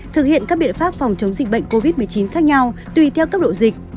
thực hiện các biện pháp phòng chống dịch bệnh covid một mươi chín khác nhau tùy theo cấp độ dịch